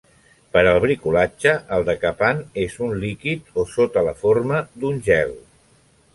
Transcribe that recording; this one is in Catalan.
Per al bricolatge el decapant és un líquid o sota la forma d'un gel.